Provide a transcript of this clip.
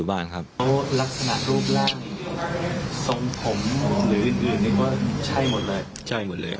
ตอนนั้นเขาไม่อยู่แล้ว